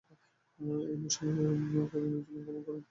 ঐ মৌসুমের শীতকালে নিউজিল্যান্ড গমন করেন।